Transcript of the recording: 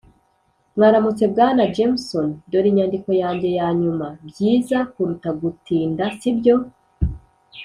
mwaramutse, bwana jameson. dore inyandiko yanjye yanyuma. byiza kuruta gutinda, si byo? ”